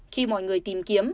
khi mọi người tìm kiếm